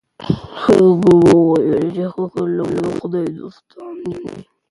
هغه وویل چي ښه خلک د خدای دوستان دي.